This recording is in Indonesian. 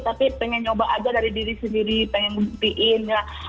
tapi pengen nyoba aja dari diri sendiri pengen ngubitin